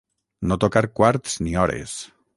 No tocar quarts ni hores.